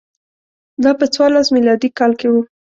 دا په څوارلس میلادي کال کې و